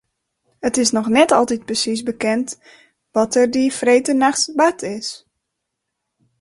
It is noch altyd net presiis bekend wat der dy freedtenachts bard is.